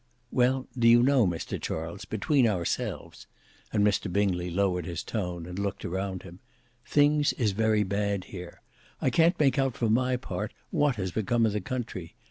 "Well, do you know, Mr Charles, between ourselves," and Mr Bingley lowered his tone, and looked around him, "Things is very bad here; I can't make out, for my part, what has become of the country.